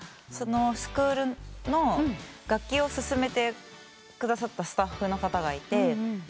そのスクールの楽器を勧めてくださったスタッフの方がいて。